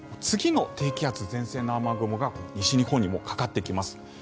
次の低気圧、前線の雨雲が西日本にかかってきます。